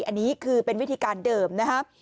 อันนี้คือเป็นวิธีการเดิมนะครับ